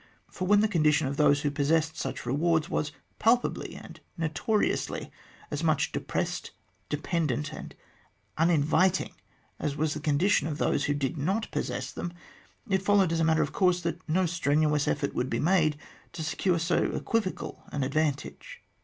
For when the condition of those who possessed such rewards was palpably and notoriously as much depressed, dependent and uninviting as was the condition of those who did not possess them, it followed, as a matter of course, that no strenuous effort would be made to secure so equivocal an advantage.